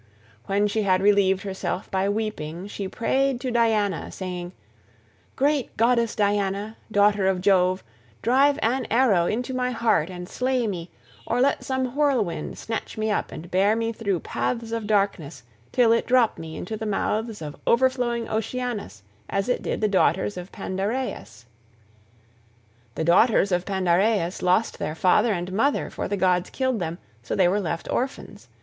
When she had relieved herself by weeping she prayed to Diana saying, "Great Goddess Diana, daughter of Jove, drive an arrow into my heart and slay me; or let some whirlwind snatch me up and bear me through paths of darkness till it drop me into the mouths of over flowing Oceanus, as it did the daughters of Pandareus. The daughters of Pandareus lost their father and mother, for the gods killed them, so they were left orphans.